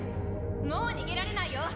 もう逃げられないよ！